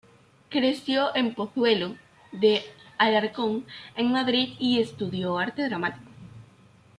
Creció en Pozuelo de Alarcón, en Madrid, y estudió Arte Dramático.